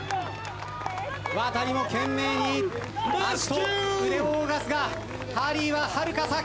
ワタリも懸命に足と腕を動かすがハリーははるか先。